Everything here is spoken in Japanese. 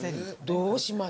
どうします？